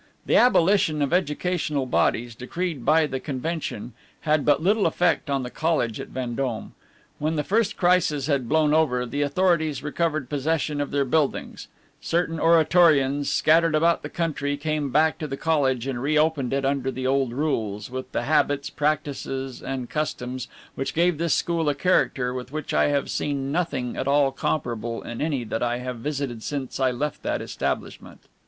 The abolition of educational bodies, decreed by the convention, had but little effect on the college at Vendome. When the first crisis had blown over, the authorities recovered possession of their buildings; certain Oratorians, scattered about the country, came back to the college and re opened it under the old rules, with the habits, practices, and customs which gave this school a character with which I have seen nothing at all comparable in any that I have visited since I left that establishment.